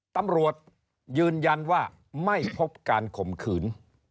ตำรวจยืนยันว่าไม่พบการข่มขืน